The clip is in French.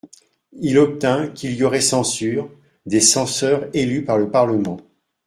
Il obtint qu'il y aurait censure, des censeurs élus par le Parlement.